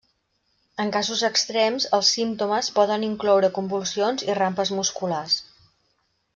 En casos extrems, els símptomes poden incloure convulsions i rampes musculars.